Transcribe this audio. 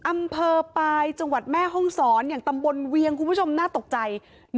อำเภอปลายจังหวัดแม่ห้องศรอย่างตำบลเวียงคุณผู้ชมน่าตกใจ